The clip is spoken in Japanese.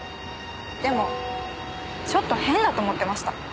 でもちょっと変だと思ってました。